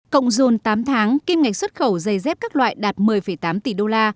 cộng dồn tám tháng kim ngạch xuất khẩu dày dép các loại đạt một mươi tám tỷ usd